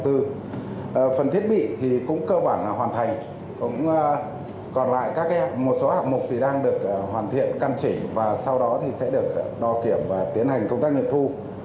phần thiết bị thì cũng cơ bản là hoàn thành còn lại một số hạng mục thì đang được hoàn thiện căn chỉ và sau đó thì sẽ được đo kiểm và tiến hành công tác nghiệp thu